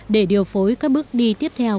để điều phối các bước đi tiếp theo